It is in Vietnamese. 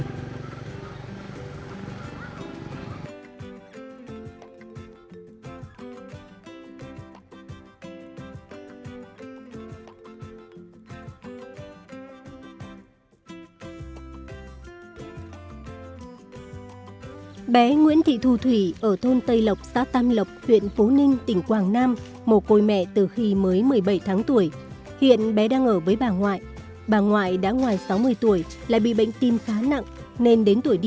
chị hồng hải nhân viên kế toán trường tiểu học lê lợi xã tàm lộc huyện phú ninh tỉnh quảng nam vẫn cẩn mẫn tự nguyện đến tận nhà để đưa các bạn nhỏ có hoàn cảnh khó khăn đến trường